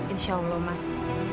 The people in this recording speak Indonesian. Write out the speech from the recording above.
insya allah mas